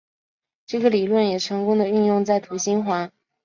这个理论也成功的运用在土星环。